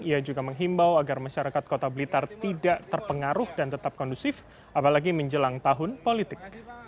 ia juga menghimbau agar masyarakat kota blitar tidak terpengaruh dan tetap kondusif apalagi menjelang tahun politik